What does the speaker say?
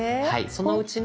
そのうちの。